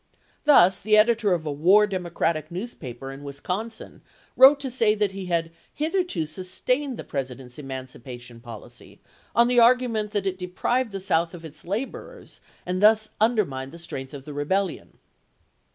Thus the editor of a war Democratic newspaper in Wisconsin wrote to say that he had hitherto sustained the President's emancipation policy on the argument that it de prived the South of its laborers and thus under mined the strength of rebellion.